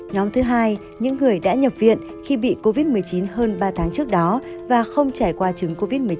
nhóm thứ hai những người đã nhập viện khi bị covid một mươi chín hơn ba tháng trước đó và không trải qua chứng covid một mươi chín